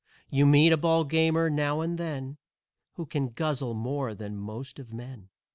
You meet a ball gamer now and then Who can guzzle more than the most of men.